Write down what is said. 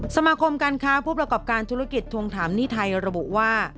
สมาคมการค้าผู้ประกอบการธุรกิจทวงถามหนี้ไทยระบุว่า